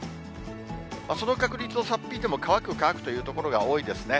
その確率を差っ引いても、乾く、乾くという所が多いですね。